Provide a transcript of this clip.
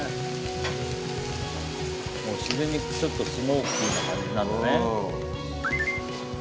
自然にちょっとスモーキーな感じになるんだね。